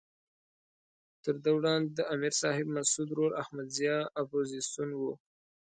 تر ده وړاندې د امر صاحب مسعود ورور احمد ضیاء اپوزیسون وو.